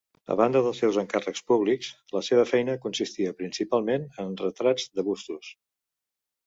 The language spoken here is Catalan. A banda dels seus encàrrecs públics, la seva feina consistia principalment en retrats de bustos.